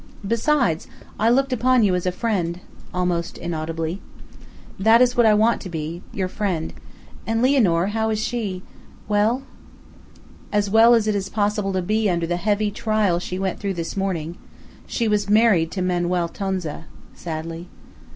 "Besides, I looked upon you as a friend," almost inaudibly. "That is what I want to be your friend. And Lianor how is she? well?" "As well as it is possible to be under the heavy trial she went through this morning. She was married to Manuel Tonza," sadly.